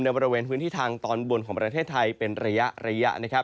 บริเวณพื้นที่ทางตอนบนของประเทศไทยเป็นระยะนะครับ